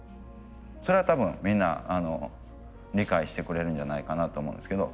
それは多分みんな理解してくれるんじゃないかなと思うんですけど。